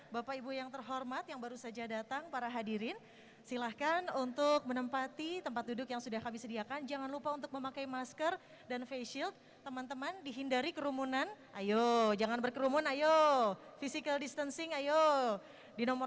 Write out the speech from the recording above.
berdasarkan kepres nomor enam